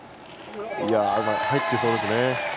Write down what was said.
入っていそうですね。